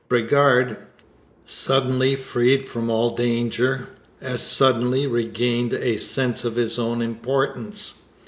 Bridgar, suddenly freed from all danger, as suddenly regained a sense of his own importance.